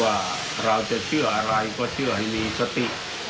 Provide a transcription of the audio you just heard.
ว่าเราจะเชื่ออะไรก็เชื่อให้มีสติ